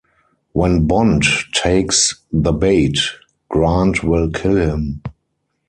When Bond takes the bait, Grant will kill him.